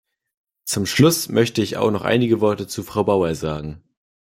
Zum Schluss möchte ich noch einige Worte zu Frau Bauer sagen.